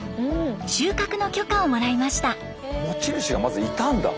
収穫の許可をもらいました。